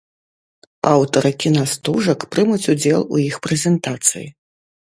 Аўтары кінастужак прымуць удзел у іх прэзентацыі.